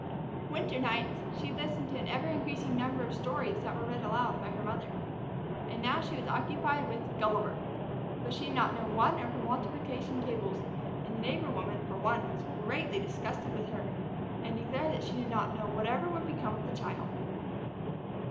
Winter nights, she had listened to an ever increasing number of stories that were read aloud by her mother. And now she was occupied with "Gulliver." But she did not know one of her multiplication tables, and the neighbor woman, for one, was greatly disgusted with her, and declared that she did not know whatever would become of the child.